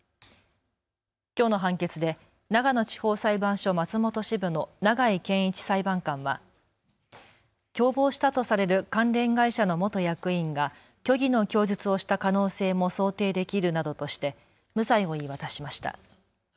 きょうの判決で長野地方裁判所松本支部の永井健一裁判官は共謀したとされる関連会社の元役員が虚偽の供述をした可能性も想定できるなどとして無罪を言い渡しました。